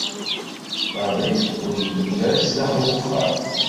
Fadil ur yelli ara sdaxel uxxam.